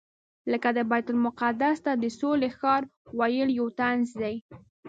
لکه د بیت المقدس ته د سولې ښار ویل یو طنز دی.